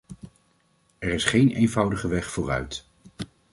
Er is geen eenvoudige weg vooruit.